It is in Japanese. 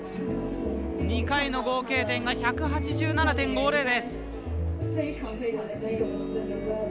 ２回の合計点が１８７．５０です。